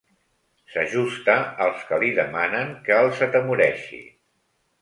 S'ajusta als que li demanen que els atemoreixi.